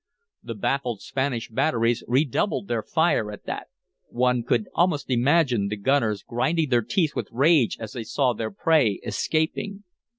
The baffled Spanish batteries redoubled their fire at that. One could almost imagine the gunners grinding their teeth with rage as they saw their prey escaping.